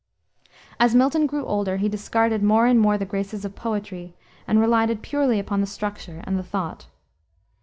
As Milton grew older he discarded more and more the graces of poetry, and relied purely upon the structure and the thought.